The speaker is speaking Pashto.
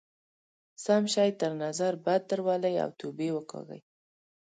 سم شی تر نظر بد درولئ او توبې وکاږئ.